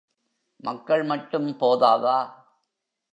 மக்கள் மட்டும் போதாதா?